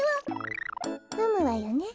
むわよね？